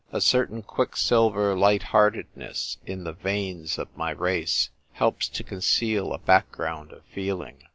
A certain quicksilver light heartedness in the veins of my race helps to conceal a back ground of feeling.